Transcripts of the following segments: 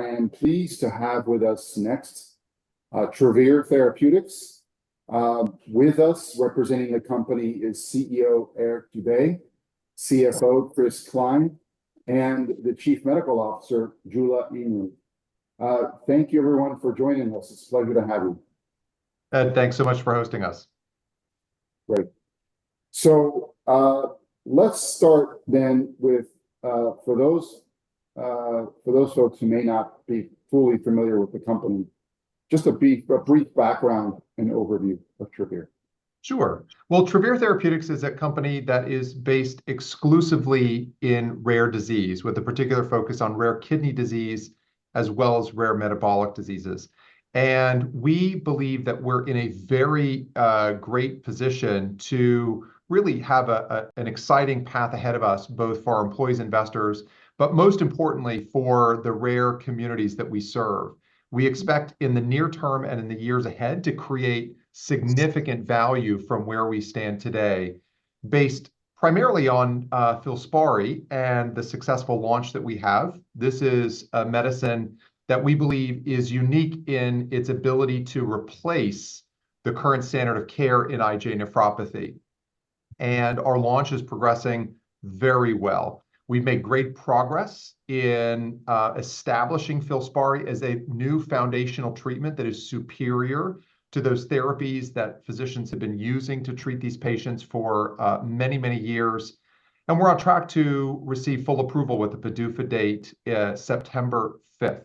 I am pleased to have with us next, Travere Therapeutics. With us, representing the company is CEO, Eric Dube, CFO, Chris Cline, and the Chief Medical Officer, Jula Inrig. Thank you everyone for joining us. It's a pleasure to have you. Ed, thanks so much for hosting us. Great. So, let's start then with for those folks who may not be fully familiar with the company, just a brief background and overview of Travere. Sure. Well, Travere Therapeutics is a company that is based exclusively in rare disease, with a particular focus on rare kidney disease, as well as rare metabolic diseases. We believe that we're in a very great position to really have a, a, an exciting path ahead of us, both for our employees, investors, but most importantly for the rare communities that we serve. We expect in the near term and in the years ahead, to create significant value from where we stand today, based primarily on, FILSPARI and the successful launch that we have. This is a medicine that we believe is unique in its ability to replace the current standard of care in IgA nephropathy, and our launch is progressing very well. We've made great progress in establishing FILSPARI as a new foundational treatment that is superior to those therapies that physicians have been using to treat these patients for many, many years. And we're on track to receive full approval with the PDUFA date September 5th.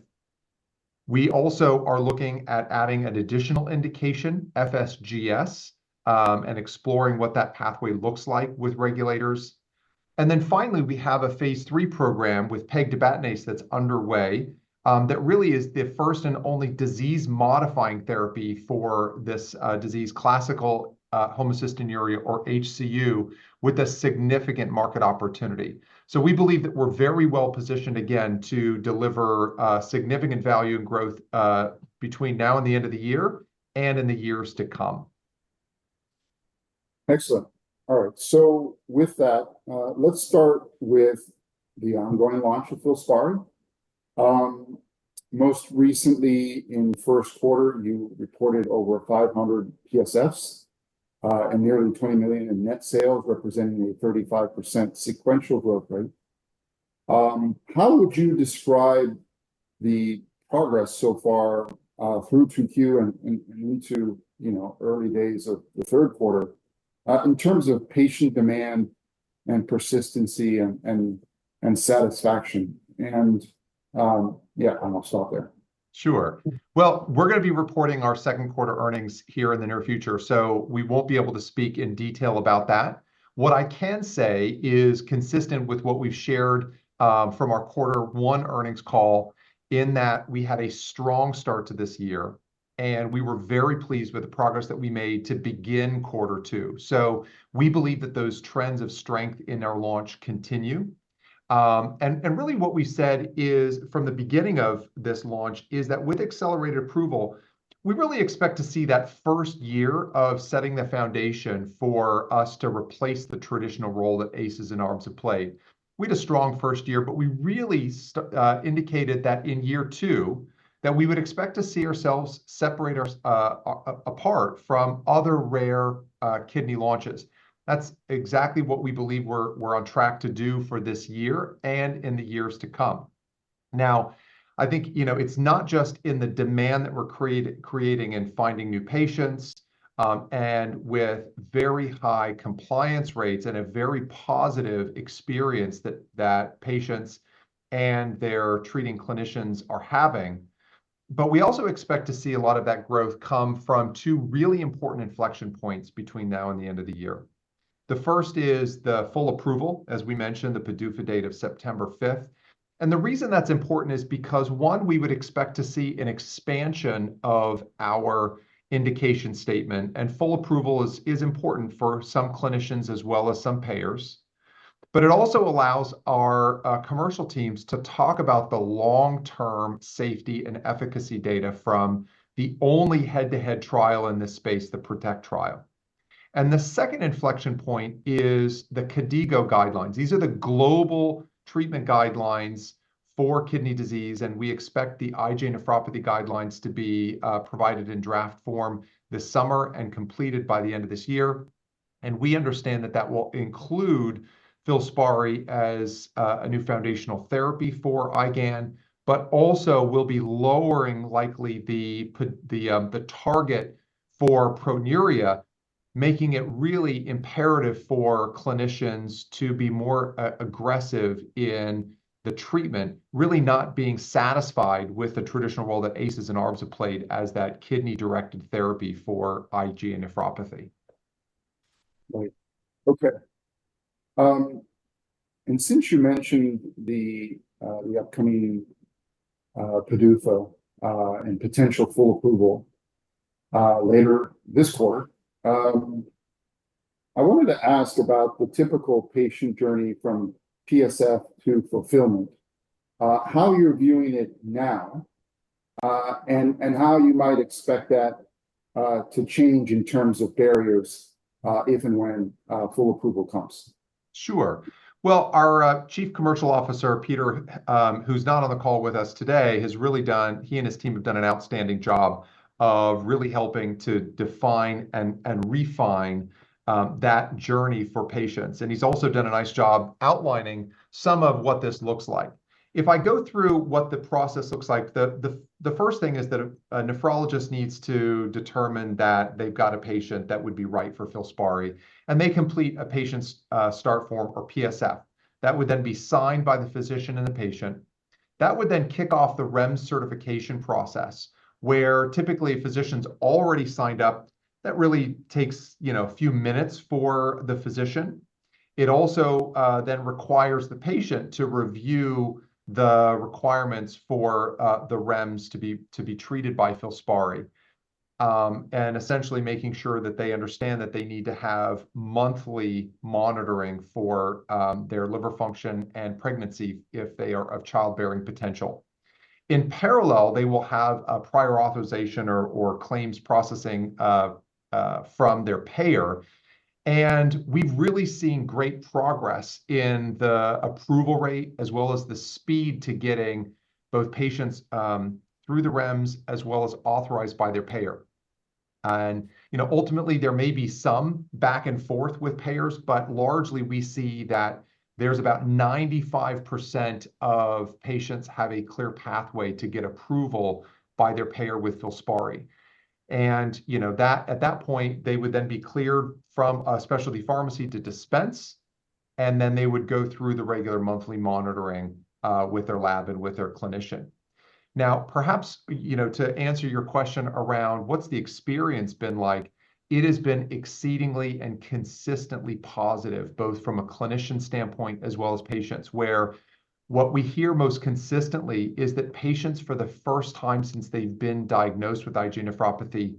We also are looking at adding an additional indication, FSGS, and exploring what that pathway looks like with regulators. And then finally, we have a phase 3 program with Pegtibatinase that's underway that really is the first and only disease-modifying therapy for this disease, classical homocystinuria, or HCU, with a significant market opportunity. So we believe that we're very well-positioned, again, to deliver significant value and growth between now and the end of the year, and in the years to come. Excellent. All right, so with that, let's start with the ongoing launch of FILSPARI. Most recently in the first quarter, you reported over 500 PSFs, and nearly $20 million in net sales, representing a 35% sequential growth rate. How would you describe the progress so far, through 2Q and into, you know, early days of the third quarter, in terms of patient demand and persistency and satisfaction? Yeah, and I'll stop there. Sure. Well, we're gonna be reporting our second quarter earnings here in the near future, so we won't be able to speak in detail about that. What I can say is consistent with what we've shared from our Quarter One earnings call, in that we had a strong start to this year, and we were very pleased with the progress that we made to begin Quarter Two. So we believe that those trends of strength in our launch continue. And really what we said is, from the beginning of this launch, is that with accelerated approval, we really expect to see that first year of setting the foundation for us to replace the traditional role that ACEs and ARBs have played. We had a strong first year, but we really indicated that in year two, that we would expect to see ourselves apart from other rare kidney launches. That's exactly what we believe we're on track to do for this year, and in the years to come. Now, I think, you know, it's not just in the demand that we're creating and finding new patients, and with very high compliance rates and a very positive experience that patients and their treating clinicians are having, but we also expect to see a lot of that growth come from two really important inflection points between now and the end of the year. The first is the full approval, as we mentioned, the PDUFA date of September 5th. The reason that's important is because, one, we would expect to see an expansion of our indication statement, and full approval is important for some clinicians as well as some payers. It also allows our commercial teams to talk about the long-term safety and efficacy data from the only head-to-head trial in this space, the PROTECT trial. The second inflection point is the KDIGO guidelines. These are the global treatment guidelines for kidney disease, and we expect the IgA nephropathy guidelines to be provided in draft form this summer and completed by the end of this year. We understand that that will include FILSPARI as a new foundational therapy for IgAN, but also will be lowering, likely, the target for proteinuria, making it really imperative for clinicians to be more aggressive in the treatment, really not being satisfied with the traditional role that ACEs and ARBs have played as that kidney-directed therapy for IgA nephropathy. Right. Okay. And since you mentioned the upcoming PDUFA and potential full approval later this quarter, I wanted to ask about the typical patient journey from PSF to fulfillment, how you're viewing it now, and how you might expect that to change in terms of barriers, if and when full approval comes? Sure. Well, our Chief Commercial Officer, Peter, who's not on the call with us today, has really done. He and his team have done an outstanding job of really helping to define and refine that journey for patients. And he's also done a nice job outlining some of what this looks like. If I go through what the process looks like, the first thing is that a nephrologist needs to determine that they've got a patient that would be right for FILSPARI, and they complete a patient's start form, or PSF. That would then be signed by the physician and the patient. That would then kick off the REMS certification process, where typically a physician's already signed up. That really takes, you know, a few minutes for the physician. It also then requires the patient to review the requirements for the REMS to be treated by FILSPARI. And essentially making sure that they understand that they need to have monthly monitoring for their liver function and pregnancy if they are of childbearing potential. In parallel, they will have a prior authorization or claims processing from their payer. And we've really seen great progress in the approval rate, as well as the speed to getting both patients through the REMS, as well as authorized by their payer. And, you know, ultimately, there may be some back and forth with payers, but largely we see that there's about 95% of patients have a clear pathway to get approval by their payer with FILSPARI. You know, at that point, they would then be cleared from a specialty pharmacy to dispense, and then they would go through the regular monthly monitoring with their lab and with their clinician. Now, perhaps, you know, to answer your question around what's the experience been like, it has been exceedingly and consistently positive, both from a clinician standpoint as well as patients, where what we hear most consistently is that patients, for the first time since they've been diagnosed with IgA nephropathy,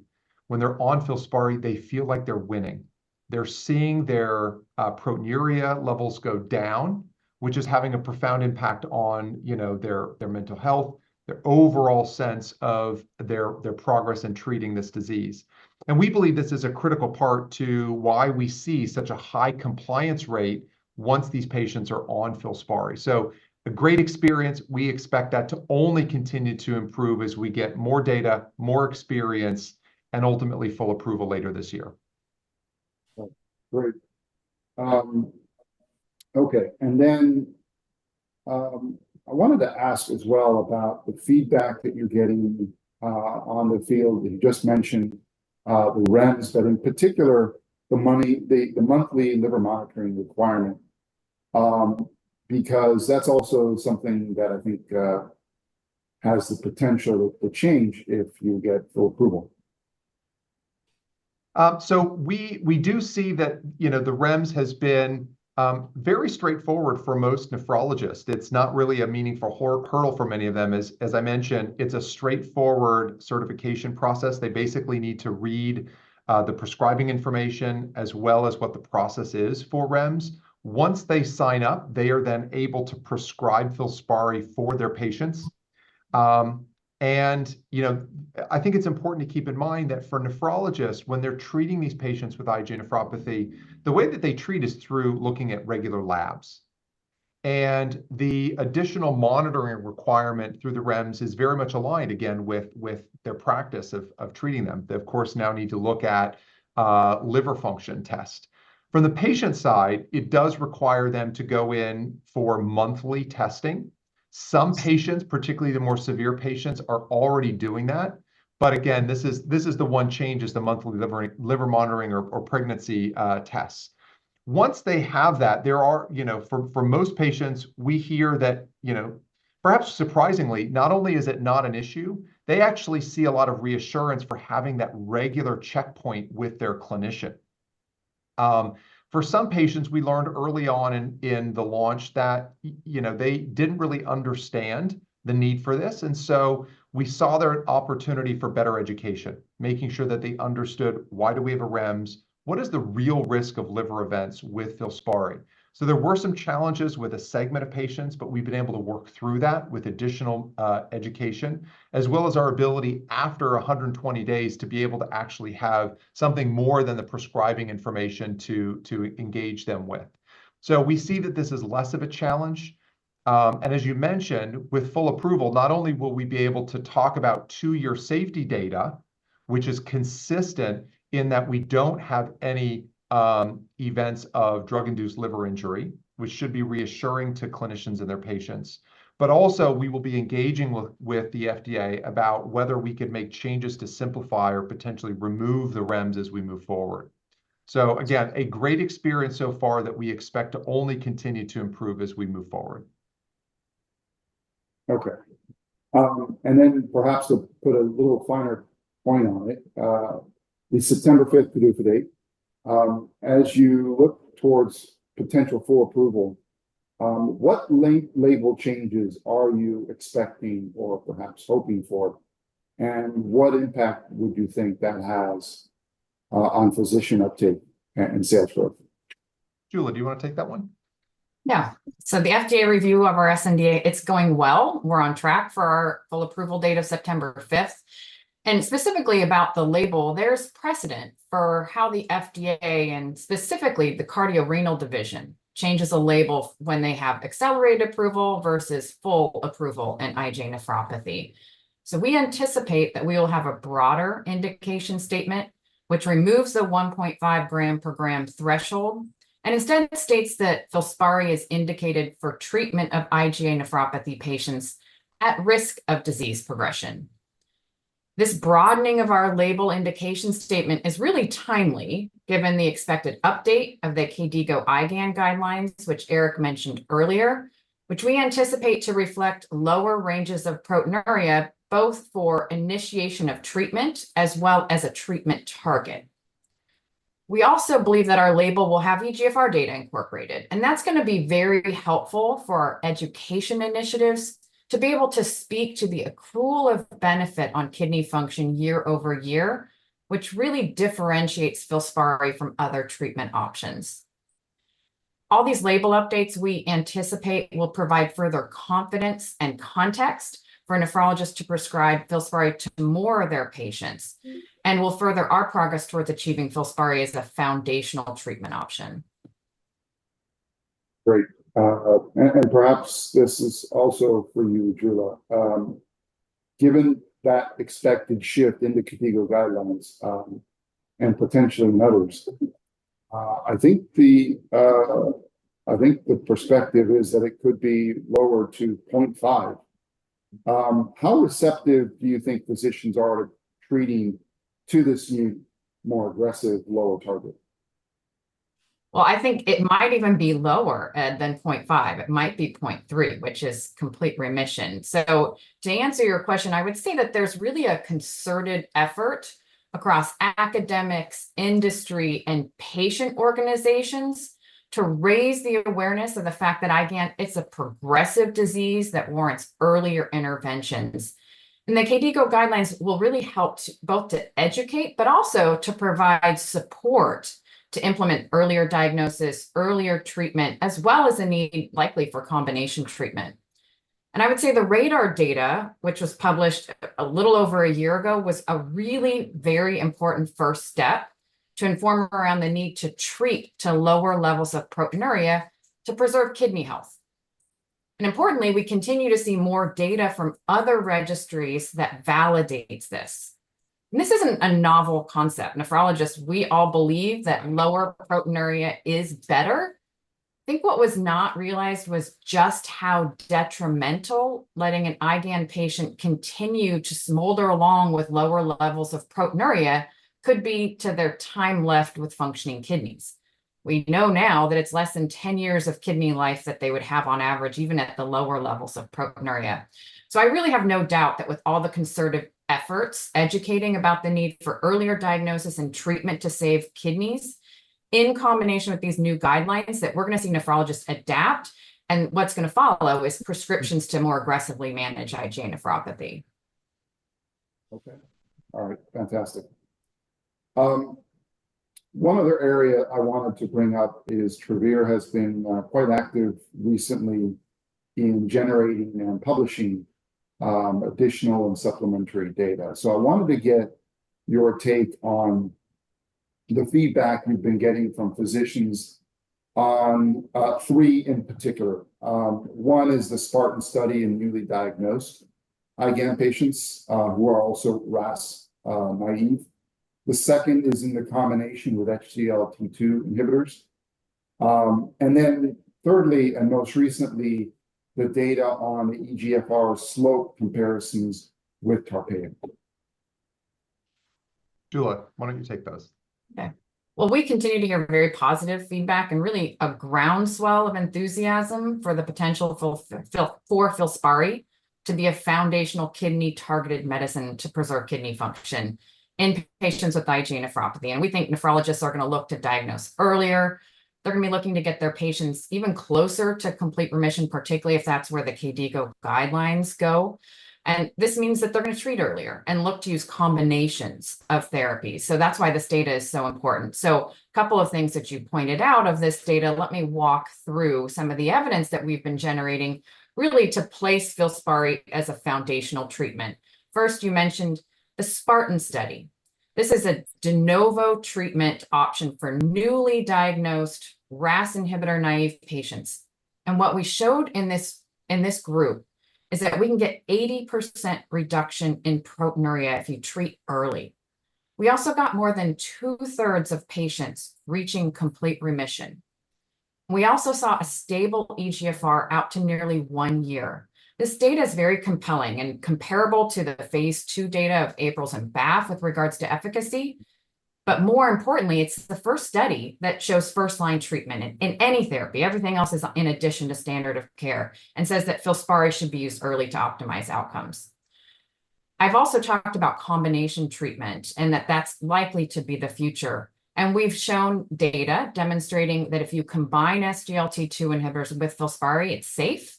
when they're on FILSPARI, they feel like they're winning. They're seeing their proteinuria levels go down, which is having a profound impact on, you know, their mental health, their overall sense of their progress in treating this disease. We believe this is a critical part to why we see such a high compliance rate once these patients are on FILSPARI. A great experience. We expect that to only continue to improve as we get more data, more experience, and ultimately, full approval later this year. Well, great. Okay, and then I wanted to ask as well about the feedback that you're getting on the field. You just mentioned the REMS, but in particular, the money... the, the monthly liver monitoring requirement. Because that's also something that I think has the potential to change if you get full approval. So we do see that, you know, the REMS has been very straightforward for most nephrologists. It's not really a meaningful horrendous hurdle for many of them. As I mentioned, it's a straightforward certification process. They basically need to read the prescribing information as well as what the process is for REMS. Once they sign up, they are then able to prescribe FILSPARI for their patients. And, you know, I think it's important to keep in mind that for nephrologists, when they're treating these patients with IgA nephropathy, the way that they treat is through looking at regular labs. And the additional monitoring requirement through the REMS is very much aligned, again, with their practice of treating them. They, of course, now need to look at liver function test. From the patient side, it does require them to go in for monthly testing. Some patients, particularly the more severe patients, are already doing that. But again, this is the one change: the monthly liver monitoring or pregnancy tests. Once they have that, there are... You know, for most patients, we hear that, you know, perhaps surprisingly, not only is it not an issue, they actually see a lot of reassurance for having that regular checkpoint with their clinician. For some patients, we learned early on in the launch that you know, they didn't really understand the need for this, and so we saw there an opportunity for better education, making sure that they understood why do we have a REMS, what is the real risk of liver events with FILSPARI? So there were some challenges with a segment of patients, but we've been able to work through that with additional education, as well as our ability, after 120 days, to be able to actually have something more than the prescribing information to engage them with. So we see that this is less of a challenge. And as you mentioned, with full approval, not only will we be able to talk about two-year safety data, which is consistent in that we don't have any events of drug-induced liver injury, which should be reassuring to clinicians and their patients. But also, we will be engaging with the FDA about whether we could make changes to simplify or potentially remove the REMS as we move forward. So again, a great experience so far that we expect to only continue to improve as we move forward. Okay. And then perhaps to put a little finer point on it, the September 5th PDUFA date, as you look towards potential full approval, what label changes are you expecting or perhaps hoping for? And what impact would you think that has on physician uptake and sales growth? Jula, do you wanna take that one? Yeah. So the FDA review of our SNDA, it's going well. We're on track for our full approval date of September 5th. And specifically about the label, there's precedent for how the FDA, and specifically the Cardio-Renal Division, changes a label when they have accelerated approval versus full approval in IgA nephropathy. So we anticipate that we will have a broader indication statement, which removes the 1.5 gram per gram threshold, and instead states that FILSPARI is indicated for treatment of IgA nephropathy patients at risk of disease progression. This broadening of our label indication statement is really timely, given the expected update of the KDIGO IgAN guidelines, which Eric mentioned earlier, which we anticipate to reflect lower ranges of proteinuria, both for initiation of treatment as well as a treatment target. We also believe that our label will have eGFR data incorporated, and that's gonna be very helpful for our education initiatives to be able to speak to the accrual of benefit on kidney function year over year, which really differentiates FILSPARI from other treatment options. All these label updates we anticipate will provide further confidence and context for a nephrologist to prescribe FILSPARI to more of their patients, and will further our progress towards achieving FILSPARI as a foundational treatment option. Great. And perhaps this is also for you, Jula. Given that expected shift in the KDIGO guidelines, and potentially others, I think the perspective is that it could be lower to 0.5. How receptive do you think physicians are treating to this new, more aggressive, lower target? Well, I think it might even be lower than 0.5. It might be 0.3, which is complete remission. So to answer your question, I would say that there's really a concerted effort across academics, industry, and patient organizations to raise the awareness of the fact that IgAN is a progressive disease that warrants earlier interventions. And the KDIGO guidelines will really help to both to educate, but also to provide support to implement earlier diagnosis, earlier treatment, as well as a need likely for combination treatment. And I would say the RADAR data, which was published a little over a year ago, was a really very important first step to inform around the need to treat to lower levels of proteinuria to preserve kidney health. And importantly, we continue to see more data from other registries that validates this. And this isn't a novel concept. Nephrologists, we all believe that lower proteinuria is better. I think what was not realized was just how detrimental letting an IgAN patient continue to smolder along with lower levels of proteinuria could be to their time left with functioning kidneys. We know now that it's less than 10 years of kidney life that they would have on average, even at the lower levels of proteinuria. So I really have no doubt that with all the concerted efforts educating about the need for earlier diagnosis and treatment to save kidneys, in combination with these new guidelines, that we're gonna see nephrologists adapt, and what's gonna follow is prescriptions to more aggressively manage IgA nephropathy. Okay. All right, fantastic. One other area I wanted to bring up is Travere has been quite active recently in generating and publishing additional and supplementary data. So I wanted to get your take on the feedback you've been getting from physicians on three in particular. One is the SPARTAN study in newly diagnosed IgAN patients who are also RAS naive. The second is in the combination with SGLT2 inhibitors. And then thirdly, and most recently, the data on eGFR slope comparisons with TARPEYO. Jula, why don't you take those? Okay. Well, we continue to hear very positive feedback and really a groundswell of enthusiasm for the potential of FILSPARI to be a foundational kidney-targeted medicine to preserve kidney function in patients with IgA nephropathy. We think nephrologists are gonna look to diagnose earlier. They're gonna be looking to get their patients even closer to complete remission, particularly if that's where the KDIGO guidelines go. This means that they're gonna treat earlier and look to use combinations of therapy. That's why this data is so important. Couple of things that you pointed out of this data, let me walk through some of the evidence that we've been generating, really to place FILSPARI as a foundational treatment. First, you mentioned the SPARTAN study. This is a de novo treatment option for newly diagnosed RAS inhibitor-naive patients. And what we showed in this group is that we can get 80% reduction in proteinuria if you treat early. We also got more than two-thirds of patients reaching complete remission. We also saw a stable eGFR out to nearly one year. This data is very compelling and comparable to the phase II data of APRS and BAFF with regards to efficacy. But more importantly, it's the first study that shows first-line treatment in any therapy, everything else is in addition to standard of care, and says that FILSPARI should be used early to optimize outcomes. I've also talked about combination treatment, and that that's likely to be the future. And we've shown data demonstrating that if you combine SGLT2 inhibitors with FILSPARI, it's safe,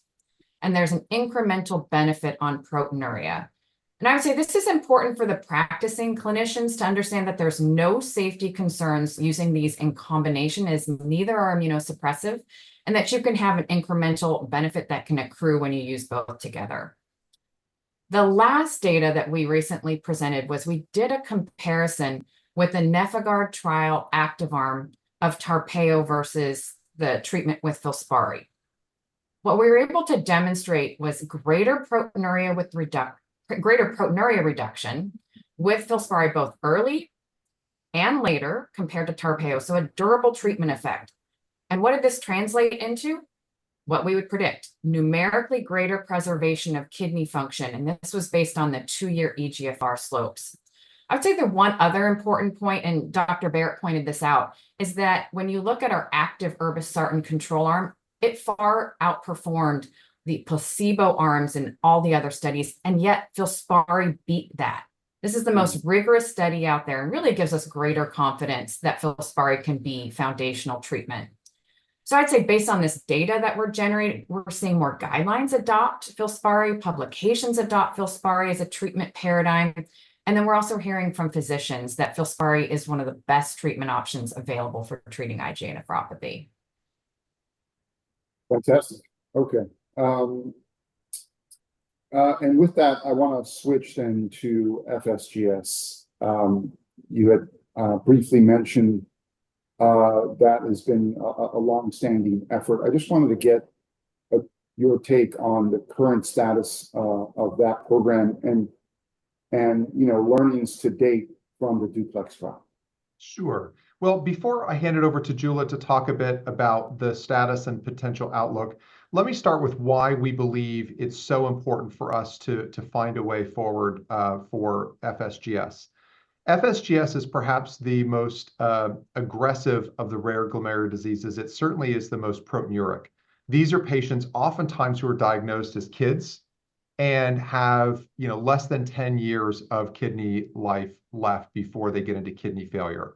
and there's an incremental benefit on proteinuria. And I would say this is important for the practicing clinicians to understand that there's no safety concerns using these in combination, as neither are immunosuppressive, and that you can have an incremental benefit that can accrue when you use both together. The last data that we recently presented was we did a comparison with the NefIgArd trial active arm of TARPEYO versus the treatment with FILSPARI. What we were able to demonstrate was greater proteinuria reduction with FILSPARI, both early and later, compared to TARPEYO, so a durable treatment effect. And what did this translate into? What we would predict: numerically greater preservation of kidney function, and this was based on the two-year eGFR slopes. I would say the one other important point, and Dr. Barrett pointed this out, is that when you look at our active irbesartan control arm, it far outperformed the placebo arms in all the other studies, and yet FILSPARI beat that. This is the most rigorous study out there, and really gives us greater confidence that FILSPARI can be foundational treatment. So I'd say based on this data that we're generating, we're seeing more guidelines adopt FILSPARI, publications adopt FILSPARI as a treatment paradigm, and then we're also hearing from physicians that FILSPARI is one of the best treatment options available for treating IgA nephropathy. Fantastic. Okay, and with that, I wanna switch then to FSGS. You had briefly mentioned that has been a long-standing effort. I just wanted to get your take on the current status of that program and, you know, learnings to date from the DUPLEX trial. Sure. Well, before I hand it over to Jula to talk a bit about the status and potential outlook, let me start with why we believe it's so important for us to find a way forward for FSGS. FSGS is perhaps the most aggressive of the rare glomerular diseases. It certainly is the most proteinuria. These are patients oftentimes who are diagnosed as kids and have, you know, less than 10 years of kidney life left before they get into kidney failure.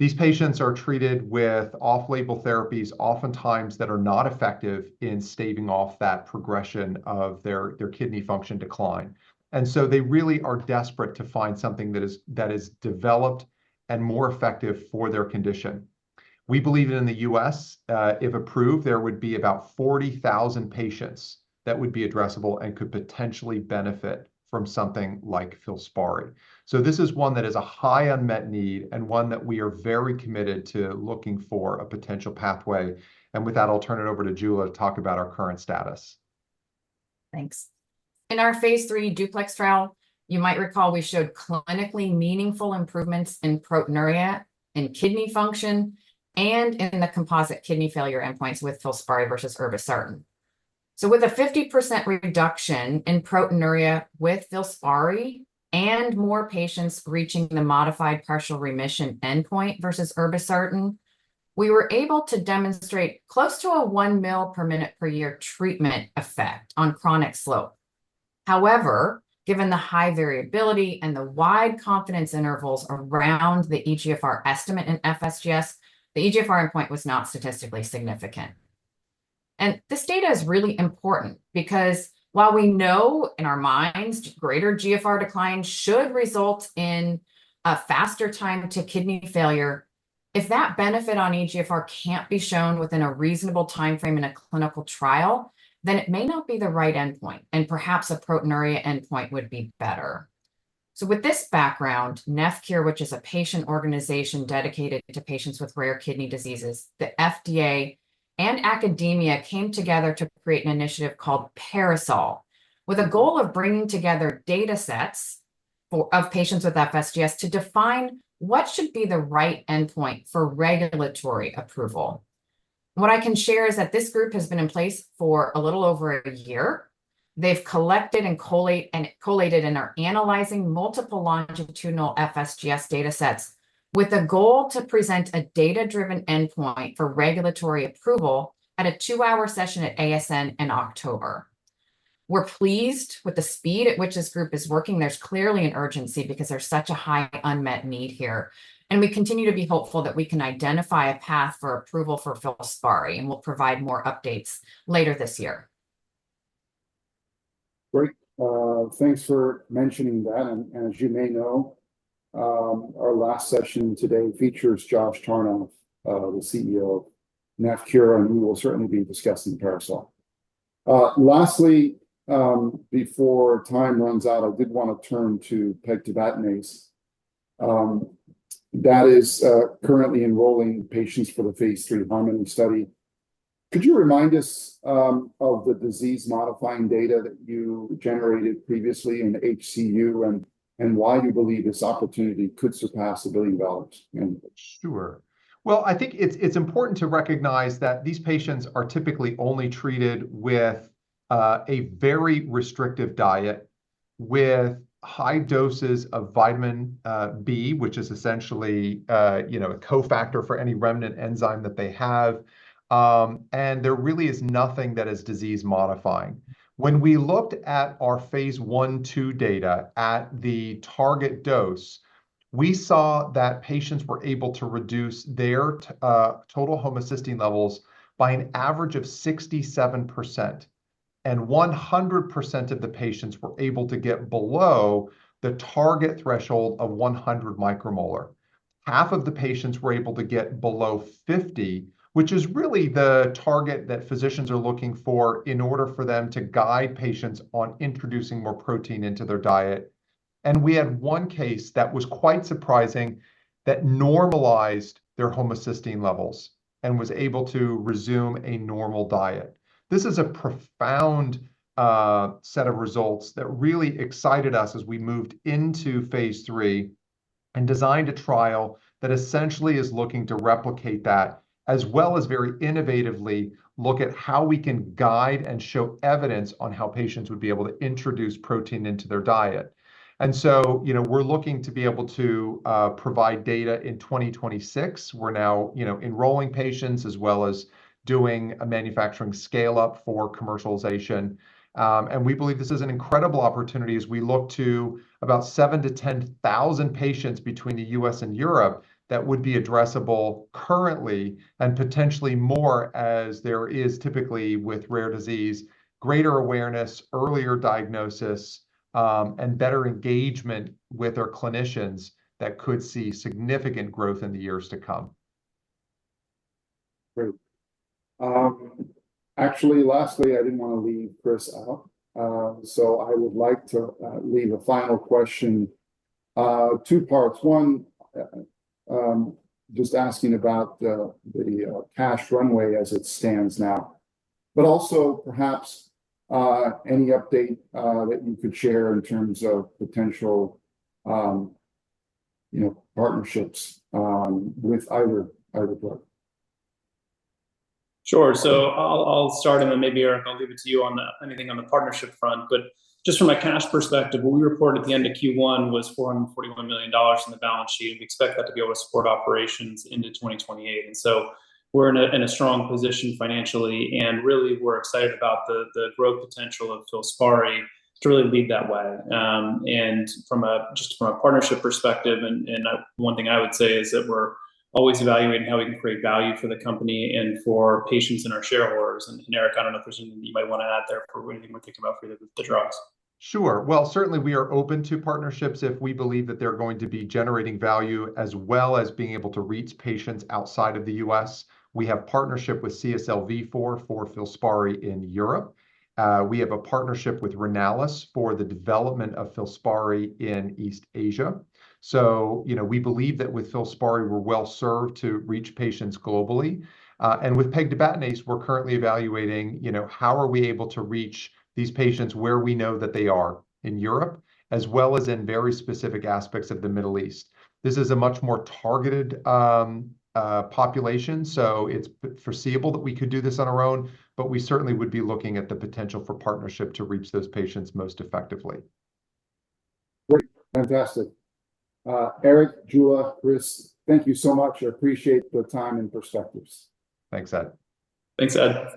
These patients are treated with off-label therapies, oftentimes that are not effective in staving off that progression of their kidney function decline. And so they really are desperate to find something that is developed and more effective for their condition. We believe that in the U.S., if approved, there would be about 40,000 patients that would be addressable and could potentially benefit from something like FILSPARI. So this is one that is a high unmet need, and one that we are very committed to looking for a potential pathway. And with that, I'll turn it over to Jula to talk about our current status. Thanks. In our Phase 3 DUPLEX trial, you might recall we showed clinically meaningful improvements in proteinuria, in kidney function, and in the composite kidney failure endpoints with FILSPARI versus irbesartan. So with a 50% reduction in proteinuria with FILSPARI and more patients reaching the modified partial remission endpoint versus irbesartan, we were able to demonstrate close to a 1 mL/min/year treatment effect on chronic slope. However, given the high variability and the wide confidence intervals around the eGFR estimate in FSGS, the eGFR endpoint was not statistically significant. This data is really important because while we know in our minds greater GFR decline should result in a faster time to kidney failure, if that benefit on eGFR can't be shown within a reasonable timeframe in a clinical trial, then it may not be the right endpoint, and perhaps a proteinuria endpoint would be better. With this background, NephCure, which is a patient organization dedicated to patients with rare kidney diseases, the FDA, and academia came together to create an initiative called PARASOL, with a goal of bringing together datasets of patients with FSGS to define what should be the right endpoint for regulatory approval. What I can share is that this group has been in place for a little over a year. They've collected and collated and are analyzing multiple longitudinal FSGS datasets, with a goal to present a data-driven endpoint for regulatory approval at a two-hour session at ASN in October. We're pleased with the speed at which this group is working. There's clearly an urgency because there's such a high unmet need here, and we continue to be hopeful that we can identify a path for approval for FILSPARI, and we'll provide more updates later this year. Great. Thanks for mentioning that. And as you may know, our last session today features Josh Tarnoff, the CEO of NephCure, and we will certainly be discussing PARASOL. Lastly, before time runs out, I did wanna turn to pegtibatinase. That is currently enrolling patients for the phase 3 HARMONY study. Could you remind us of the disease-modifying data that you generated previously in HCU, and why you believe this opportunity could surpass $1 billion in- Sure. Well, I think it's important to recognize that these patients are typically only treated with a very restrictive diet with high doses of vitamin B, which is essentially you know, a cofactor for any remnant enzyme that they have. There really is nothing that is disease-modifying. When we looked at our phase 1/2 data at the target dose... We saw that patients were able to reduce their total homocysteine levels by an average of 67%, and 100% of the patients were able to get below the target threshold of 100 micromolar. Half of the patients were able to get below 50, which is really the target that physicians are looking for in order for them to guide patients on introducing more protein into their diet. We had 1 case that was quite surprising, that normalized their homocysteine levels and was able to resume a normal diet. This is a profound set of results that really excited us as we moved into phase 3, and designed a trial that essentially is looking to replicate that, as well as very innovatively look at how we can guide and show evidence on how patients would be able to introduce protein into their diet. And so, you know, we're looking to be able to provide data in 2026. We're now, you know, enrolling patients as well as doing a manufacturing scale-up for commercialization. We believe this is an incredible opportunity as we look to about 7-10,000 patients between the U.S. and Europe, that would be addressable currently, and potentially more as there is typically with rare disease, greater awareness, earlier diagnosis, and better engagement with our clinicians, that could see significant growth in the years to come. Great. Actually, lastly, I didn't want to leave Chris out. So I would like to leave a final question. Two parts, one, just asking about the cash runway as it stands now, but also perhaps any update that you could share in terms of potential, you know, partnerships with either drug? Sure. So I'll, I'll start, and then maybe, Eric, I'll leave it to you on the... anything on the partnership front. But just from a cash perspective, what we reported at the end of Q1 was $441 million in the balance sheet, and we expect that to be able to support operations into 2028. And so we're in a, in a strong position financially, and really we're excited about the, the growth potential of FILSPARI to really lead that way. And from a, just from a partnership perspective, and, and one thing I would say is that we're always evaluating how we can create value for the company and for patients and our shareholders. And Eric, I don't know if there's anything you might want to add there for anything we're thinking about for the, the drugs. Sure. Well, certainly we are open to partnerships if we believe that they're going to be generating value, as well as being able to reach patients outside of the U.S. We have partnership with CSL Vifor for FILSPARI in Europe. We have a partnership with Renalys for the development of FILSPARI in East Asia. So, you know, we believe that with FILSPARI, we're well-served to reach patients globally. And with Pegtibatinase, we're currently evaluating, you know, how are we able to reach these patients where we know that they are in Europe, as well as in very specific aspects of the Middle East. This is a much more targeted population, so it's foreseeable that we could do this on our own, but we certainly would be looking at the potential for partnership to reach those patients most effectively. Great. Fantastic. Eric, Jula, Chris, thank you so much. I appreciate the time and perspectives. Thanks, Ed. Thanks, Ed.